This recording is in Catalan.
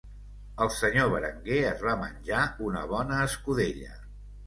El senyor Berenguer es va menjar una bona escudella.